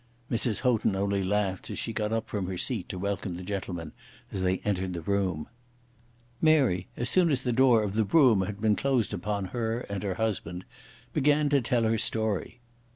Mrs. Houghton only laughed, as she got up from her seat to welcome the gentlemen as they entered the room. Mary, as soon as the door of the brougham had been closed upon her, and her husband, began to tell her story.